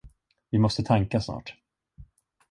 Vi måste tanka snart.